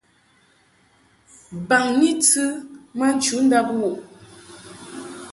Baŋni tɨ ma nchundab wuʼ.